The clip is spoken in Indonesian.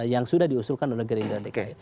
yang sudah diusulkan oleh gerindra dki